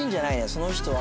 その人は」